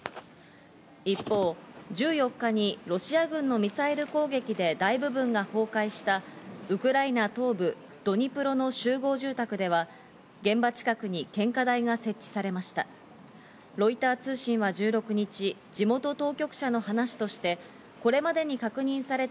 一方、１４日にロシア軍のミサイル攻撃で大部分が崩壊した、ウクライナ東部ドニプロの集合住宅では現場近くに献花台が設置されました。